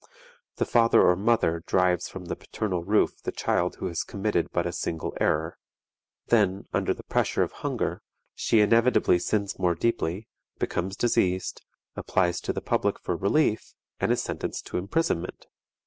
The father or mother drives from the paternal roof the child who has committed but a single error. Then, under the pressure of hunger, she inevitably sins more deeply, becomes diseased, applies to the public for relief, and is sentenced to imprisonment!